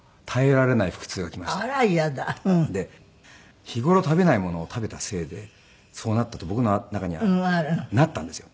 で日頃食べないものを食べたせいでそうなったと僕の中にはなったんですよ。